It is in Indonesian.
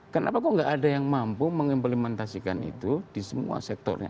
kenapa kok nggak ada yang mampu mengimplementasikan itu di semua sektornya